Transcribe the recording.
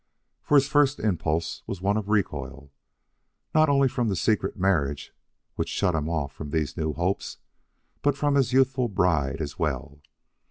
For his first impulse was one of recoil, not only from the secret marriage which shut him off from these new hopes, but from his youthful bride as well.